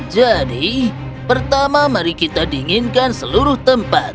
jadi pertama mari kita dinginkan seluruh tempat